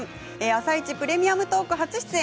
「あさイチ」「プレミアムトーク」初出演。